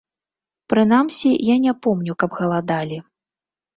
Прынамсі, я не помню, каб галадалі.